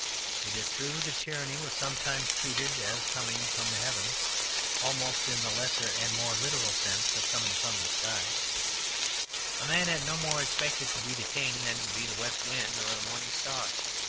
It is true that tyranny was sometimes treated as coming from the heavens almost in the lesser and more literal sense of coming from the sky; a man no more expected to be the king than to be the west wind or the morning star.